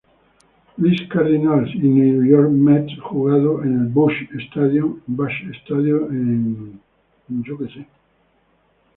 Louis Cardinals y New York Mets jugado en el Busch Stadium en St.